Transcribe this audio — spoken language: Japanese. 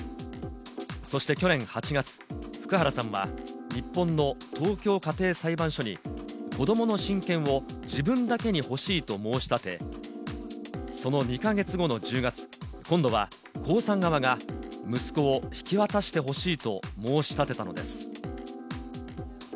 そして去年８月、福原さんは日本の東京家庭裁判所に子どもの親権を自分だけにほしいと申し立て、その２か月後の１０月、今度はコウさん側が息子を引き渡してほしいと申し立てたのです。